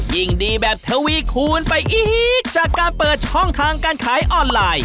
ยิ่งดีแบบทวีคูณไปอีกจากการเปิดช่องทางการขายออนไลน์